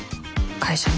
会社に。